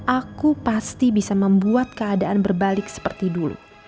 aku pasti bisa membuat keadaan berbalik seperti dulu